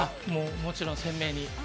もちろん鮮明に。